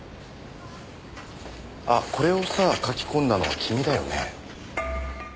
あっこれをさあ書き込んだのは君だよね？